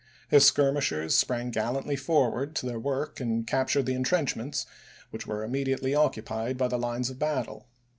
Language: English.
His skirmishers sprang gal lantly forward to their work and captured the in trenchments, which were immediately occupied by the lines of battle.